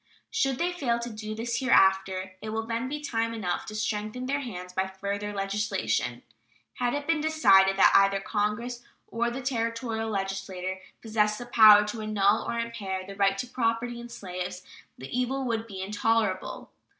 Should they fail to do this hereafter, it will then be time enough to strengthen their hands by further legislation. Had it been decided that either Congress or the Territorial legislature possess the power to annul or impair the right to property in slaves, the evil would be intolerable.